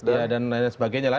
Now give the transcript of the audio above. dan lain sebagainya lain